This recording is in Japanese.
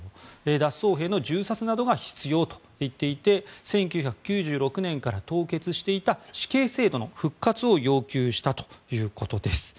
脱走兵の銃殺などが必要と言っていて１９９６年から凍結していた死刑制度の復活を要求したということです。